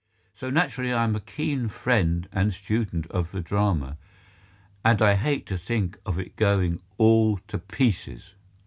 So naturally I am a keen friend and student of the Drama: and I hate to think of it going all to pieces.